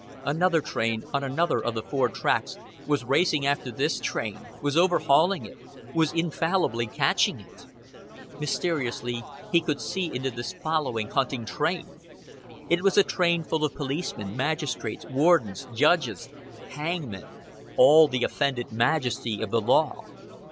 Another train, on another of the four tracks, was racing after this train, was overhauling it, was infallibly catching it. Mysteriously he could see into this following, hunting train it was a train full of policemen, magistrates, wardens, judges, hangmen: all the offended majesty of the law.